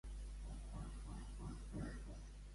Sempre cau soldat.